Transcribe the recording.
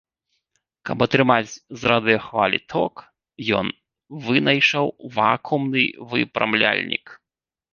Каб атрымаць з радыёхвалі ток, ён вынайшаў вакуумны выпрамляльнік.